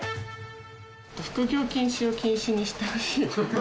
副業禁止を禁止にしてほしい。